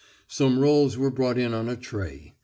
Some rolls were brought in on a tray.